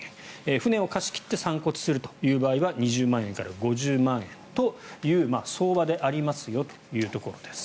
船を貸し切って散骨する場合は２０万円から５０万円という相場でありますよというところです。